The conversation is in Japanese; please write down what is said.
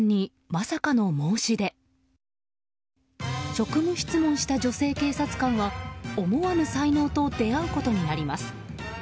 職務質問した女性警察官は思わぬ才能と出会うことになります。